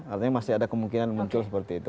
artinya masih ada kemungkinan muncul seperti itu